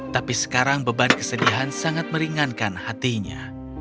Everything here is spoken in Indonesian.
tapi sekarang beban kesedihan sangat meringankan hatinya